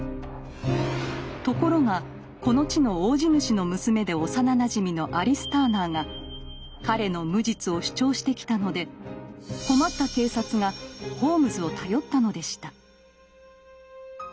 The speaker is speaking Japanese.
ところがこの地の大地主の娘で幼なじみのアリス・ターナーが彼の無実を主張してきたので困った警察がホームズを頼ったのでした。